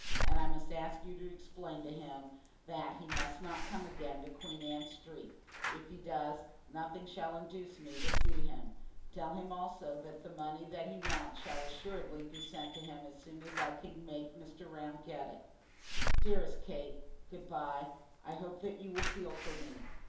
And I must ask you to explain to him that he must not come again to Queen Anne Street. If he does, nothing shall induce me to see him. Tell him also that the money that he wants shall assuredly be sent to him as soon as I can make Mr. Round get it. Dearest Kate, good bye. I hope you will feel for me.